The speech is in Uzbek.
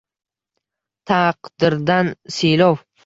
Taqdirdan siylov